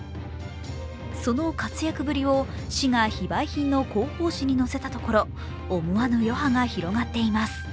その活躍ぶりを市が非売品の広報誌に載せたところ、思わぬ余波が広がっています。